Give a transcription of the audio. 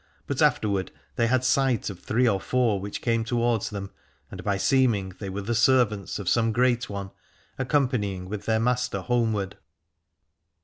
But afterward they had sight of three or four which came towards them, and by seeming they were the servants of some great one, accompanying with their master homeward.